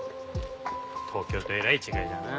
東京とえらい違いだな。